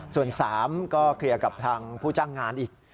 ส่วน๓ก็เคลียร์กับทางผู้จ้างงานอีก